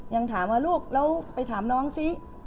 ยังถามว่าลูกแล้วไปถามน้องซิ